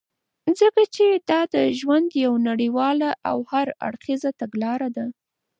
ځكه چې دادژوند يو نړيواله او هر اړخيزه تګلاره ده .